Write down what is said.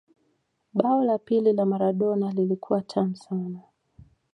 bao la pili la Maradona lilikuwa tamu sana